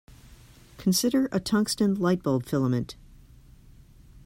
Consider a tungsten light-bulb filament.